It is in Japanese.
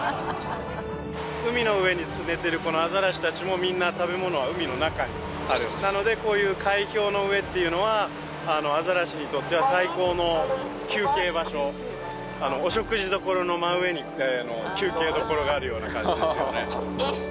海の上に寝てるこのアザラシ達もみんな食べ物は海の中にあるなのでこういう海氷の上っていうのはアザラシにとっては最高の休憩場所お食事処の真上に休憩処があるような感じですよね